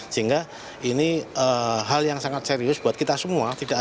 sehingga ini hal yang sangat serius buat kita semua tidak ada yang bisa dikira